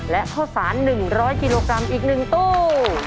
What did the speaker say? และข้าวสาร๑๐๐กิโลกรัมอีก๑ตู้